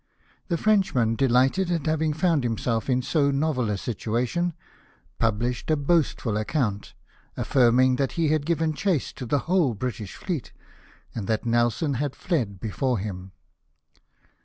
The Frenchman, delighted at having found himself in so novel a situation, published a boastful account ; affirming that he had given chase to the whole British fleet, and that Nelson had fled before him!